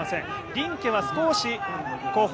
リンケは少し後方。